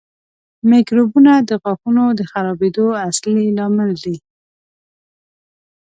میکروبونه د غاښونو د خرابېدو اصلي لامل دي.